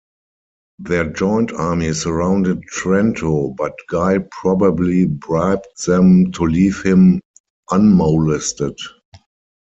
Their joint army surrounded Trento, but Guy probably bribed them to leave him unmolested.